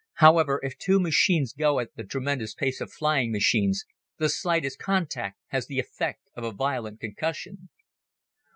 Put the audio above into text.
However, if two machines go at the tremendous pace of flying machines, the slightest contact has the effect of a violent concussion.